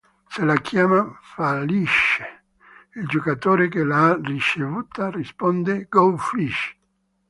Se la chiamata fallisce, il giocatore che l'ha ricevuta risponde "go fish!